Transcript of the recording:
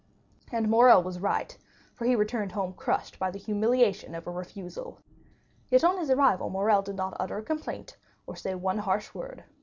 And Morrel was right, for he returned home crushed by the humiliation of a refusal. Yet, on his arrival, Morrel did not utter a complaint, or say one harsh word.